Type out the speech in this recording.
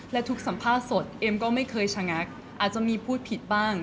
และทุกสัมภาษณ์สดเอ็มก็ไม่เคยชะงักอาจจะมีพูดผิดบ้าง